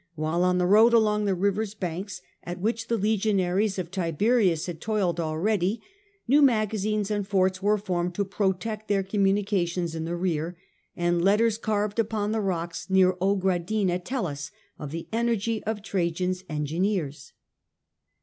while on the road along the river's banks, at which the legion aries of Tiberius had toiled already, new magazines and forts were formed to protect their communications in the rear, and letters carved upon the rocks near Ogradina tell us of the energy of Trajan's engineers.